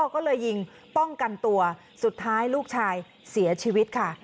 ก็เลยยิงป้องกันตัวสุดท้ายลูกชายเสียชีวิตค่ะ